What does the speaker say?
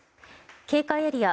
警戒エリア